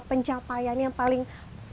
pencapaian yang paling